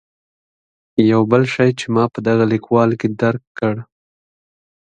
یو بل شی چې ما په دغه لیکوال کې درک کړ.